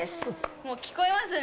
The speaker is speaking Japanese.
もう聞こえますね。